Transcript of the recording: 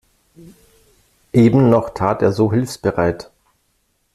Eben noch tat er so hilfsbereit.